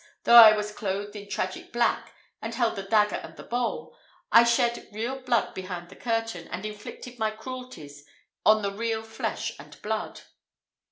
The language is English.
though I was clothed in tragic black, and held the dagger and the bowl, I shed real blood behind the curtain, and inflicted my cruelties on the real flesh and blood."